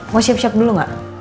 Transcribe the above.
mau siap siap dulu nggak